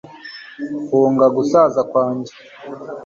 Hunga gusaza kwanjye